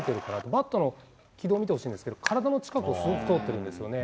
バットの軌道見てほしいんですけど、体の近くをすごく通っているんですよね。